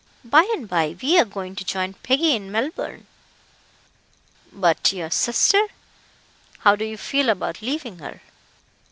By and by we are going to join Peggy in Melbourne." "But your sister how do you feel about leaving her?"